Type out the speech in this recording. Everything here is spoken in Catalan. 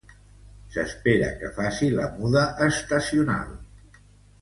S'espera que faci la muda estacional.